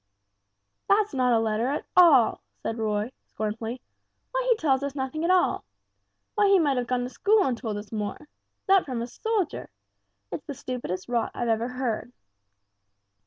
"That's not a letter at all!" said Roy, scornfully; "why he tells us nothing at all! Why he might have gone to school and told us more! That from a soldier. It's the stupidest rot I've ever heard!"